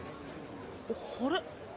あれ？